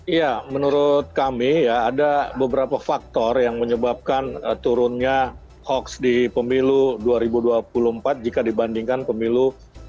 iya menurut kami ya ada beberapa faktor yang menyebabkan turunnya hoax di pemilu dua ribu dua puluh empat jika dibandingkan pemilu dua ribu dua puluh